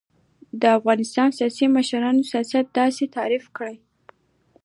و : د افغانستان سیاسی مشران سیاست داسی تعریف کړی